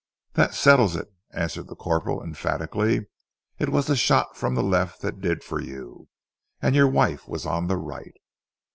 "That settles it," answered the corporal emphatically. "It was the shot from the left that did for you, and your wife was on the right."